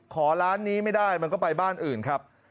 ขอร้านนี้ไม่ได้มันก็ไปบ้านอื่นครับ